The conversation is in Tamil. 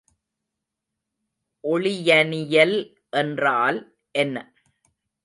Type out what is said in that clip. ஒளியனியல் என்றால் என்ன?